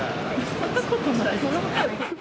そんなことないよ。